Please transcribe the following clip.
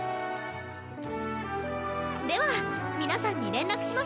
では皆さんに連絡しますね！